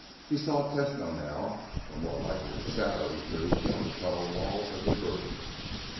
He saw Tesno now or more likely the shadows he threw on the tunnel walls as he moved.